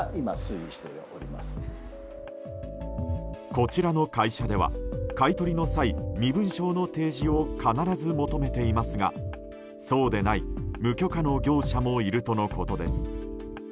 こちらの会社では買い取りの際身分証の提示を必ず求めていますがそうでない無許可の業者もいるとのことです。